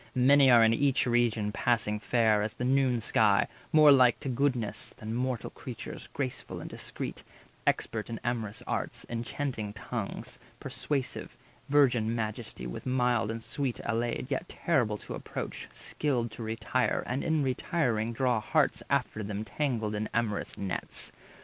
Many are in each region passing fair As the noon sky, more like to goddesses Than mortal creatures, graceful and discreet, Expert in amorous arts, enchanting tongues Persuasive, virgin majesty with mild And sweet allayed, yet terrible to approach, 160 Skilled to retire, and in retiring draw Hearts after them tangled in amorous nets.